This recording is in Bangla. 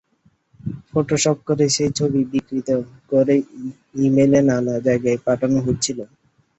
ফটোশপ করে সেই ছবি বিকৃত করে ই-মেইলে নানা জায়গায় পাঠানো হচ্ছিল।